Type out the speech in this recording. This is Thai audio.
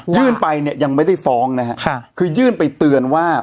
ยื่นไปเนี่ยยังไม่ได้ฟ้องนะฮะค่ะคือยื่นไปเตือนว่า